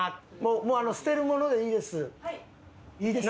もう捨てるものでいいです。